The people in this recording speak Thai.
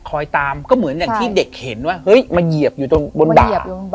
ตามก็เหมือนอย่างที่เด็กเห็นว่าเฮ้ยมาเหยียบอยู่ตรงบนบาเบีย